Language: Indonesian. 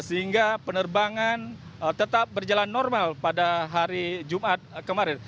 sehingga penerbangan tetap berjalan normal pada hari jumat kemarin